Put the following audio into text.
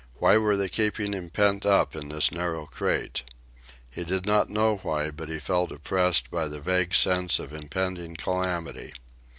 Why were they keeping him pent up in this narrow crate? He did not know why, but he felt oppressed by the vague sense of impending calamity.